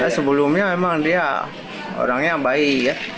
sebelumnya memang dia orang yang baik